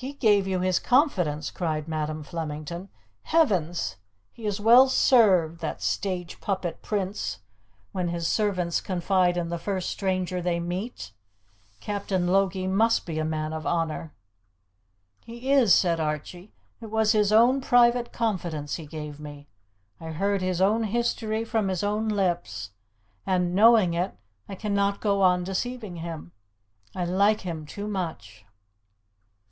"He gave you his confidence?" cried Madam Flemington. "Heavens! He is well served, that stage puppet Prince, when his servants confide in the first stranger they meet! Captain Logie must be a man of honour!" "He is," said Archie. "It was his own private confidence he gave me. I heard his own history from his own lips, and, knowing it, I cannot go on deceiving him. I like him too much."